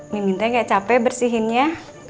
miminte gak capek bersihinnya